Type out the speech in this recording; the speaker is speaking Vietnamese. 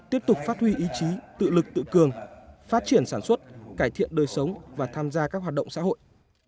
tiếp tục phát huy ý chí tự lực tự cường phát triển sản xuất cải thiện đời sống và tham gia các hoạt động xã hội